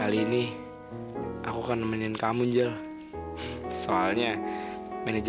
aku tante dari sini